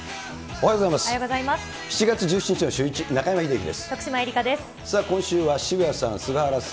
おはようございます。